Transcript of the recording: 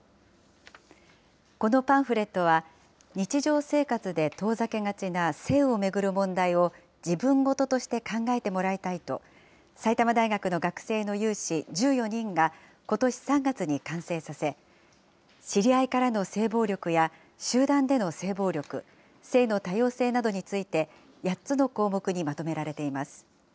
このパンフレットは、日常生活で遠ざけがちな性を巡る問題を自分事として考えてもらいたいと、埼玉大学の学生の有志１４人が、ことし３月に完成させ、知り合いからの性暴力や集団での性暴力、性の多様性などについて、８つの項目にまとめられています。